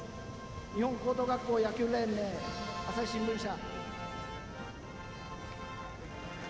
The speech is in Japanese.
日本高等学校野球連盟朝日新聞社。